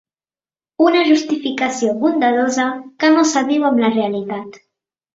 Una justificació bondadosa que no s’adiu amb la realitat.